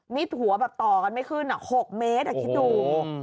นี่หัวต่อกันไม่ขึ้น๖เมตรคิดดู